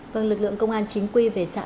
vâng lực lượng công an chính quy về xã